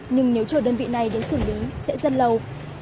nhưng nếu chờ đơn vị này đến xử lý sẽ rất lâu